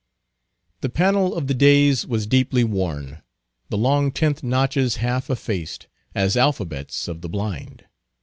The panel of the days was deeply worn—the long tenth notches half effaced, as alphabets of the blind.